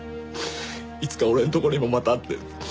いつか俺のとこにもまたって。